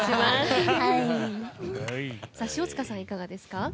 塩塚さんはいかがですか？